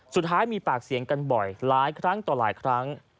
สุดท้ายมีปากเสียงกันบ่อยหลายครั้งต่อหลายครั้ง